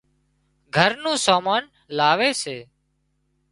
گھر نُون سامان لاوي سي